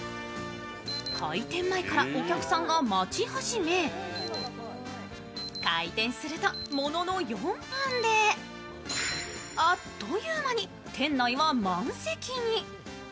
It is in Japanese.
開店前からお客さんが待ち始め、開店するとものの４分であっという間に店内は満席に。